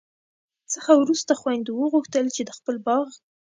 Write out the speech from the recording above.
څخه وروسته خویندو وغوښتل چي د خپل باغ